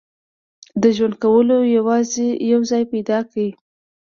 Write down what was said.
د ژوند کولو یو ځای پیدا کړي.